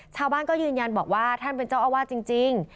ชาวบ้านก็ยืนยันบอกว่าท่านเป็นเจ้าอาวาสจริง